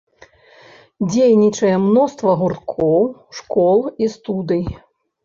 Дзейнічае мноства гурткоў, школ і студый.